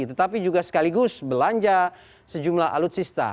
tetapi juga sekaligus belanja sejumlah alutsista